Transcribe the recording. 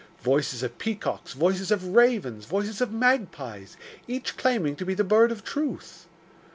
Voices of peacocks, voices of ravens, voices of magpies, each claiming to be the Bird of Truth.